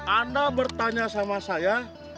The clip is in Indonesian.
anda bertanya sama saya